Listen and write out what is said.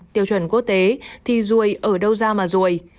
tiêu chuẩn quốc tế thì ruồi ở đâu ra mà ruồi